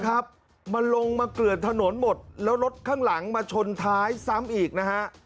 ครับมันลงมาเกลือนถนนหมดแล้วรถข้างหลังมาชนท้ายซ้ำอีกนะฮะ